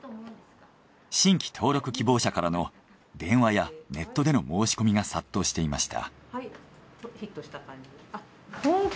新規登録希望者からの電話やネットでの申し込みが殺到していました。